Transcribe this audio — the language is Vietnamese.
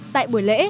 tại buổi lễ